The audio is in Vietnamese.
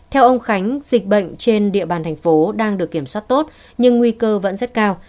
theo ông khánh dịch bệnh trên địa bàn thành phố đang được kiểm soát tốt nhưng nguy cơ vẫn rất cao